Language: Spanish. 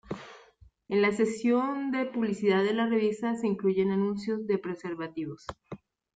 En la sección de publicidad de la revista se incluían anuncios de preservativos.